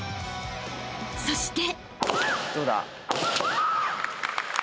［そして］